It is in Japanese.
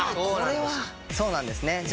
そうなんですね。